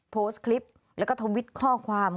โพสต์คลิปแล้วก็ทวิตข้อความ